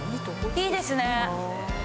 いいですね。